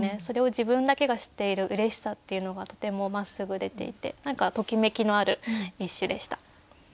それを自分だけが知っているうれしさっていうのがとてもまっすぐ出ていて何かときめきのある一首でした。